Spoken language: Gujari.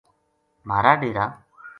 مھارا ڈیرا